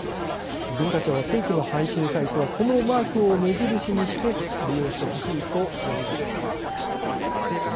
文化庁は、正規の配信サイトはこのマークを目印にして利用してほしいと呼びかけています。